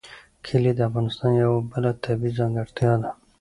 کلي د افغانستان یوه بله طبیعي ځانګړتیا ده.